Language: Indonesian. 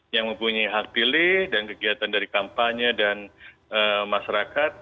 yang mempunyai hak pilih dan kegiatan dari kampanye dan masyarakat